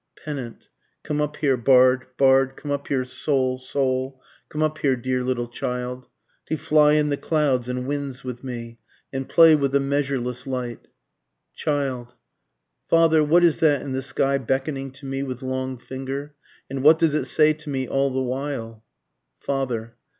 Pennant. Come up here, bard, bard, Come up here, soul, soul, Come up here, dear little child, To fly in the clouds and winds with me, and play with the measureless light. Child. Father what is that in the sky beckoning to me with long finger? And what does it say to me all the while? _Father.